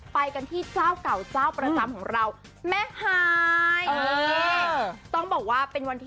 ไปกันที่เจ้าเก่าเจ้าประจำของเราแม่ฮายต้องบอกว่าเป็นวันที่